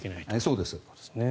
そうです。